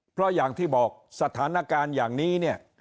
เพราะอย่างที่บอกสถานการณ์อย่างนี้เนี่ย